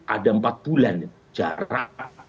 ada empat bulan jarak